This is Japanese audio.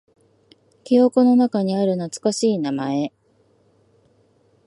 記憶の中にある懐かしい名前。